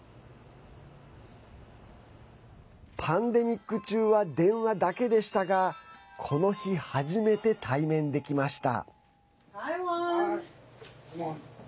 パンデミック中は電話だけでしたがこの日、初めて対面できました。